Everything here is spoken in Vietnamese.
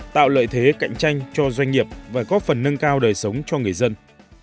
tạo lợi thế cạnh tranh cho doanh nghiệp và góp phần nâng cao đời sống cho người dân